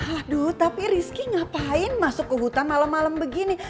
aduh tapi rizky ngapain masuk ke hutan malam malam begini